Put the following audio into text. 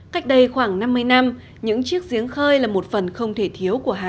cách đây khoảng năm mươi năm những chiếc giếng khơi là một phần không thiết kế của các dân gian